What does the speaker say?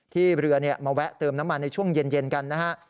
เรือมาแวะเติมน้ำมันในช่วงเย็นกันนะฮะ